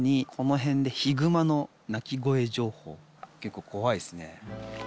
結構怖いっすね。